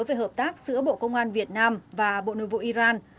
về hợp tác giữa bộ công an việt nam và bộ nội vụ iran